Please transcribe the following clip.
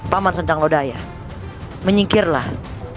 paman sanjang lodaya menyingkirlah